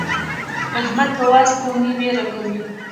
احمد په واز کومې وير کوي.